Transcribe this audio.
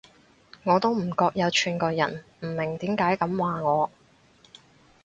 我都唔覺有串過人，唔明點解噉話我